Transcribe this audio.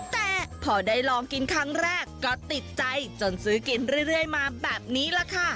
แต่พอได้ลองกินครั้งแรกก็ติดใจจนซื้อกินเรื่อยมาแบบนี้แหละค่ะ